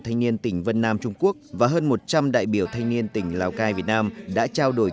thanh niên tỉnh vân nam trung quốc và hơn một trăm linh đại biểu thanh niên tỉnh lào cai việt nam đã trao đổi